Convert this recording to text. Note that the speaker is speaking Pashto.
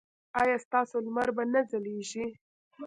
ایا ستاسو لمر به نه ځلیږي؟